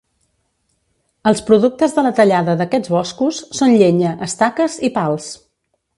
Els productes de la tallada d'aquests boscos són llenya, estaques i pals.